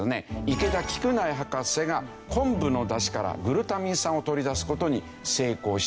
池田菊苗博士が昆布のだしからグルタミン酸を取り出す事に成功した。